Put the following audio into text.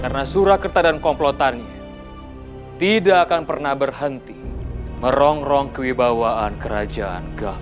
karena surakerta dan komplotannya tidak akan pernah berhenti merongrong kewibawaan kerajaan galung